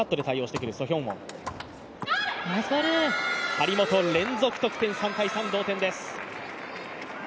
張本連続得点、３−３、同点です。